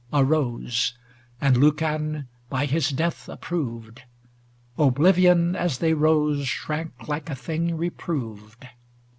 Arose; and Lucan, by his death ap proved; Oblivion as they rose shrank like a thing reproved.